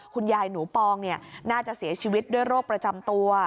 คุณยายหนูปองน่าจะเสียชีวิตด้วยโรคประจำตัว